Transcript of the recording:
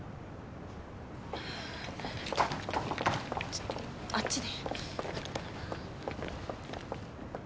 ちょっとあっちで。